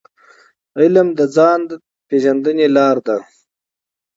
علم د ځان پېژندني لار ده.